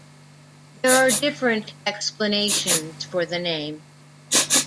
There are different explanations for the name.